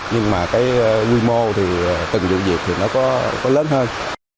nhưng quy mô từng dụ việc thì nó có lớn hơn